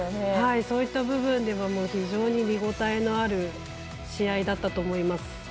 そういった部分でも非常に見応えのある試合だったと思います。